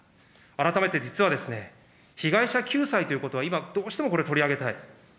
改めて実は、被害者救済ということは、今、どうしてもこれ、取り上げたい。